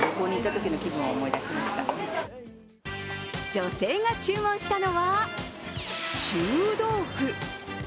女性が注文したのは臭豆腐。